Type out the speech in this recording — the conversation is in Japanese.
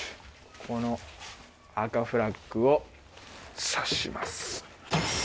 この赤フラッグをさします。